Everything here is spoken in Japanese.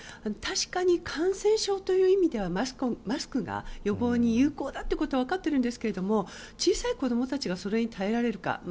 確かに感染症という意味ではマスクが予防に有効だということは分かっているんですが小さい子供たちがそれに耐えられるか。